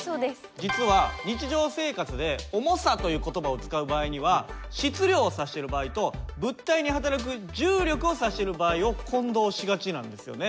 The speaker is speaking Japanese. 実は日常生活で「重さ」という言葉を使う場合には「質量」を指してる場合と「物体にはたらく重力」を指してる場合を混同しがちなんですよね。